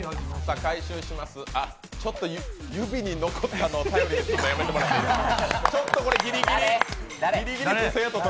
指に残ったの頼りにするのやめてもらっていいですか？